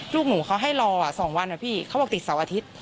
ลูกหนูเขาให้รอ๒วันนะพี่เขาบอกติดเสาร์อาทิตย์